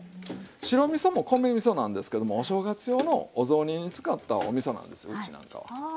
白みそも米みそなんですけどもお正月用のお雑煮に使ったおみそなんですようちなんかは。